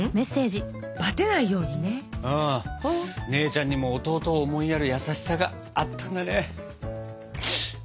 「バテないようにね！」。姉ちゃんにも弟を思いやる優しさがあったんだね。